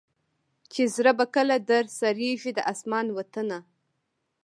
چي زړه به کله در سړیږی د اسمان وطنه